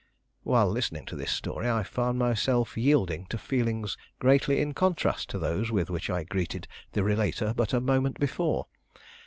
While listening to this story, I found myself yielding to feelings greatly in contrast to those with which I greeted the relator but a moment before.